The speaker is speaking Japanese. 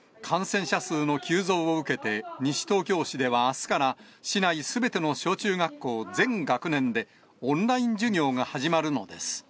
感染者数の急増を受けて、西東京市ではあすから、市内すべての小中学校全学年で、オンライン授業が始まるのです。